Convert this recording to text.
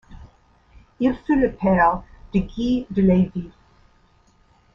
Il fut le père de Guy de Lévis.